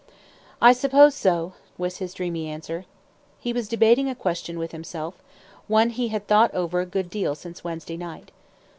"I suppose so," was his dreamy answer. He was debating a question with himself, one he had thought over a good deal since Wednesday night.